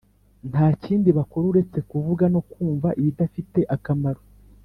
nta kindi bakora uretse kuvuga no kumva ibidafite akamaro